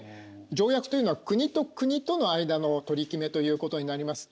条約というのは国と国との間の取り決めということになります。